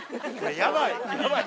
やばい。